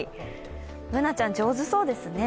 Ｂｏｏｎａちゃん、上手そうですね。